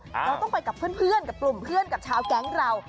เราต้องไปกับเพื่อนกับกลุ่มเพื่อนกับชาวแก๊งเรา